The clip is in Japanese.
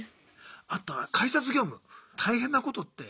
あとは改札業務大変なことって。